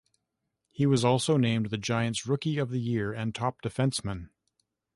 He was also named the Giants' Rookie of the Year and Top Defenceman.